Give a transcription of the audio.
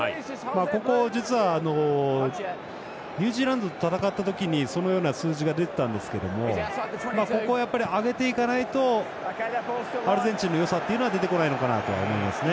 ここ、実はニュージーランドと戦った時にそのような数字が出てたんですがここは上げていかないとアルゼンチンのよさっていうのは出てこないのかなと思いますね。